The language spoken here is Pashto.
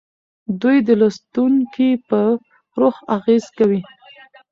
دوی د لوستونکي په روح اغیز کوي.